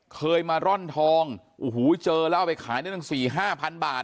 เคยมาร่อนทองโอ้โหเจอแล้วเอาไปขายได้ตั้งสี่ห้าพันบาท